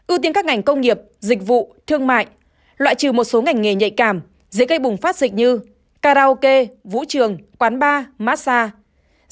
ưu tiên các ngành công nghiệp dịch vụ thương mại loại trừ một số ngành nghề nhạy cảm dễ gây bùng phát dịch như karaoke vũ trường quán bar massage